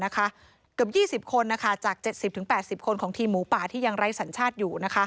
เกือบ๒๐คนจาก๗๐๘๐คนของทีมหมูป่าที่ยังไร้สัญชาติอยู่